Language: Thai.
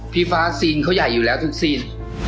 ฟ้าซีนเขาใหญ่อยู่แล้วทุกซีน